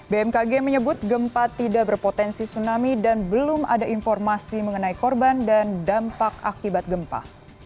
bmkg menyebut gempa tidak berpotensi tsunami dan belum ada informasi mengenai korban dan dampak akibat gempa